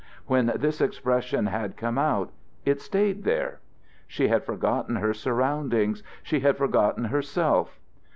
When this expression had come out, it stayed there. She had forgotten her surroundings, she had forgotten herself.